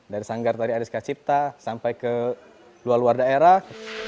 dari sanggar tadi ariska cipta sampai ke luar luar daerah